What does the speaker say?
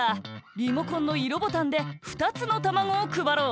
リモコンの色ボタンで２つのたまごをくばろう。